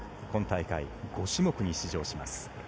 今大会、５種目に出場します。